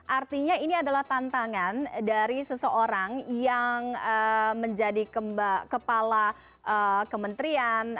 artinya ini adalah tantangan dari seseorang yang menjadi kepala kementerian